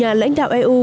nhiều nhà lãnh đạo eu